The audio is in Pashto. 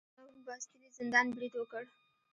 هغوی په باستیلي زندان برید وکړ.